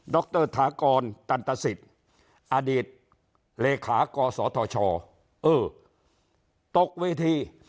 รอถากรตันตสิทธิ์อดีตเลขากศธชเออตกเวที